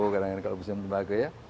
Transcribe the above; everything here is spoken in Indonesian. kadang kadang kalau besok tembako ya